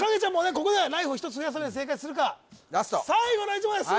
ここでライフを１つ増やせるように正解するかラスト最後の１問です